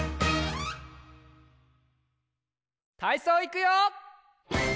たいそういくよ！